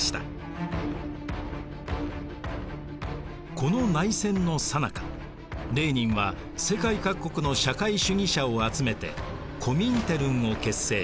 この内戦のさなかレーニンは世界各国の社会主義者を集めてコミンテルンを結成。